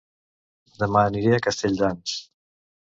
Dema aniré a Castelldans